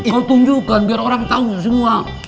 mau tunjukkan biar orang tahu semua